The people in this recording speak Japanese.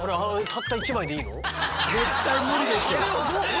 絶対無理でしょ？